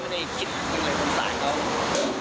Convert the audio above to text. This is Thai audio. แต่ถ้าอยากจะตีเขาก็ไม่ได้อย่างนี้หรอก